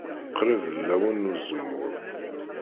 Qrib d lawan n uzemmur.